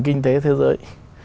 kinh tế thế giới